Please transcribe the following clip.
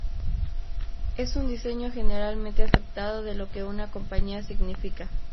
Es un diseño generalmente aceptado de lo que una compañía "significa".